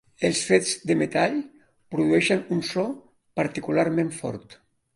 Els fets de metall produeixin un so particularment fort.